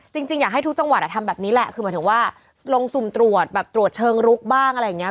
จริงอยากให้ทุกจังหวัดทำแบบนี้แหละคือหมายถึงว่าลงสุ่มตรวจแบบตรวจเชิงลุกบ้างอะไรอย่างนี้